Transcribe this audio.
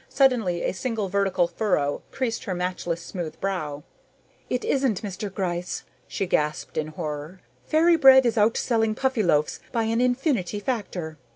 Suddenly a single vertical furrow creased her matchlessly smooth brow. "It isn't, Mr. Gryce!" she gasped in horror. "Fairy Bread is outselling Puffyloaves by an infinity factor.